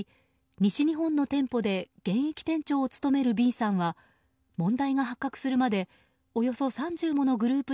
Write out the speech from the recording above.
西日本の店舗で現役店長を務めるＢさんは問題が発覚するまでおよそ３０ものグループ